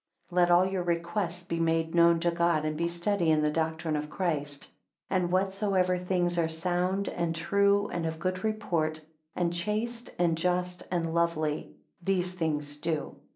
14 Let all your requests be made known to God, and be steady in the doctrine of Christ. 15 And whatsoever things are sound and true, and of good report, and chaste, and just, and lovely, these things do.